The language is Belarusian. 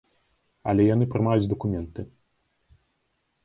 Але яны прымаюць дакументы.